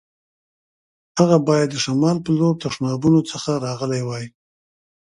هغه باید د شمال په لور تشنابونو څخه راغلی وای.